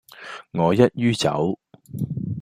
我一於走